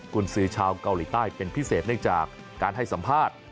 คุณซื้อชาวเกาหลีใต้เป็นพิเศษเนื่องจากการให้สัมภาษณ์